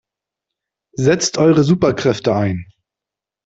Setzt eure Superkräfte ein!